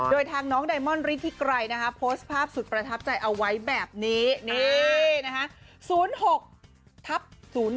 ๖๗เลยเหรอเขาพูดวันที่เมื่อวาน